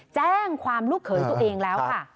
แจ้งความลูกเขยตัวเองแล้วค่ะ